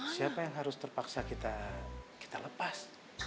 siapa yang harus terpaksa kita lepas